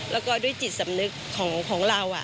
แล้วก็ด้วยจิตสำนึกของเรา